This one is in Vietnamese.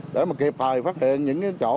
để mà kịp thời phát hiện những chỗ